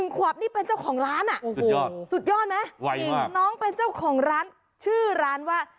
๑ขวบนี้เป็นเจ้าของร้านอ่ะ